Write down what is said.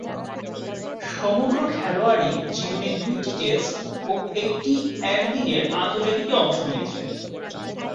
সমগ্র খেলোয়াড়ী জীবনে দুইটি টেস্ট ও একটি একদিনের আন্তর্জাতিকে অংশ নিয়েছেন।